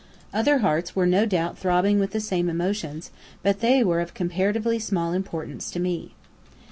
Other hearts were no doubt throbbing with the same emotions, but they were of comparatively small importance to me.